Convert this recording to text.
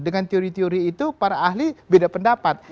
dengan teori teori itu para ahli beda pendapat